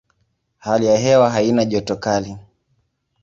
Hali ya hewa haina joto kali.